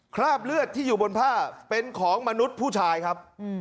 คราบเลือดที่อยู่บนผ้าเป็นของมนุษย์ผู้ชายครับ